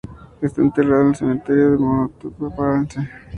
Está enterrado en el Cementerio de Montparnasse.